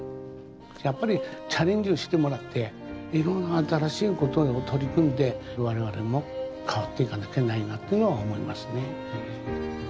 やっぱりチャレンジをしてもらって色んな新しい事を取り組んで我々も変わっていかなきゃいけないというのは思いますね。